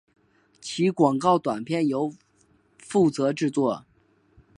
其广告短片由负责制作。